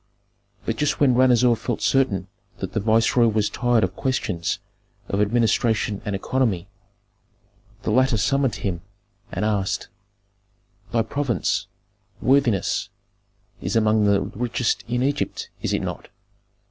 But just when Ranuzer felt certain that the viceroy was tired of questions of administration and economy, the latter summoned him, and asked, "Thy province, worthiness, is among the richest in Egypt, is it not?"